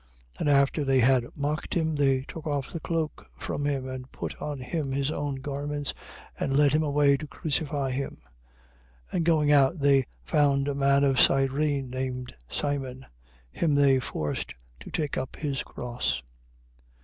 27:31. And after they had mocked him, they took off the cloak from him and put on him his own garments and led him away to crucify him. 27:32. And going out, they found a man of Cyrene, named Simon: him they forced to take up his cross.